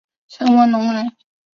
陈文龙人。